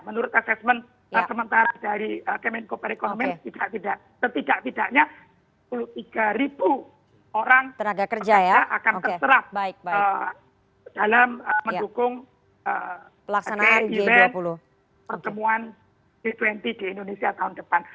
menurut assessment sementara dari kemenko perekonomian tidak tidaknya tiga belas orang akan terserap dalam mendukung event pertemuan g dua puluh di indonesia tahun depan